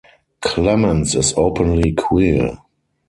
Clemens is openly queer.